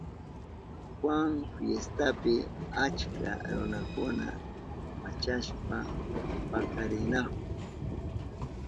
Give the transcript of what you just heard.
Juan fiestapi achka runakuna machashpa pakarinahun.